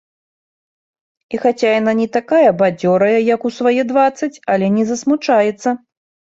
І хаця яна не такая бадзёрая, як у свае дваццаць, але не засмучаецца.